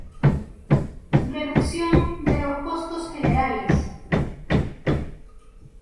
Reducción de los costos generales.